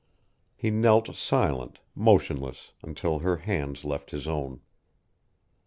He knelt silent, motionless, until her hands left his own.